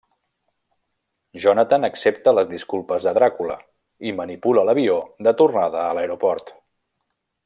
Jonathan accepta les disculpes de Dràcula i manipula l'avió de tornada a l'aeroport.